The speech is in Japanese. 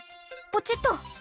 ポチッと。